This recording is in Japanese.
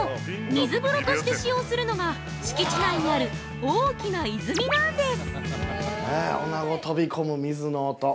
水風呂として使用するのが、敷地内にある大きな泉なんです！